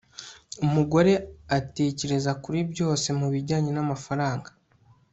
umugore atekereza kuri byose mubijyanye namafaranga